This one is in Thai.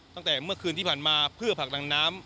ตั้งแต่เมื่อคืนที่ผ่านมาเพื่อผลักดันน้ำ